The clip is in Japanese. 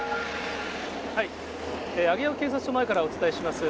上尾警察署前からお伝えします。